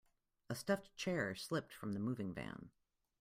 A stuffed chair slipped from the moving van.